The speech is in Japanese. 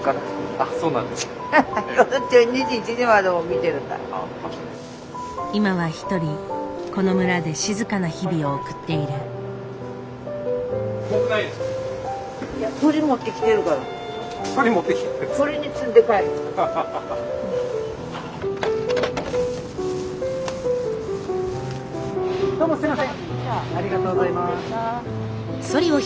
ありがとうございます。